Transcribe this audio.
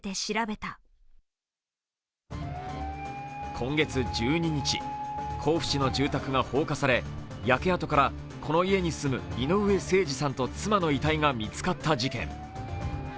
今月１２日、甲府市の住宅が放火され焼け跡からこの家に住む井上盛司さんと妻の遺体が見つかった事件。